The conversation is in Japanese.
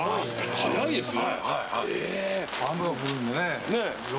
早いですね。